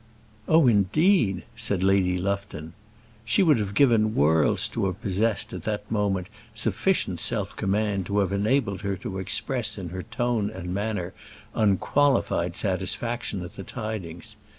"Oh, indeed!" said Lady Lufton. She would have given worlds to have possessed at the moment sufficient self command to have enabled her to express in her tone and manner unqualified satisfaction at the tidings.